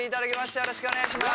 よろしくお願いします。